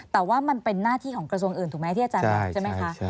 แต่ว่ามันเป็นหน้าที่ของกระทรวงอื่นถูกไหมที่อาจารย์บอกใช่ไหมคะ